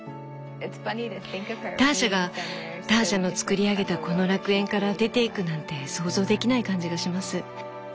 ターシャがターシャのつくり上げたこの楽園から出ていくなんて想像できない感じがします。